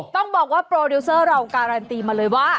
ต้องบอกว่าโปรดิวเซอร์เราการันตีมาเลยว่า